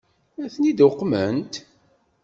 Ad ten-id-uqment?